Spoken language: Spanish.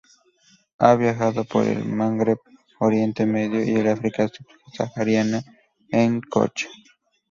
Ha viajado por el Magreb, Oriente Medio y el África Subsahariana en coche.